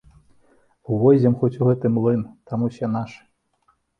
Увойдзем хоць у гэты млын, там усе нашы.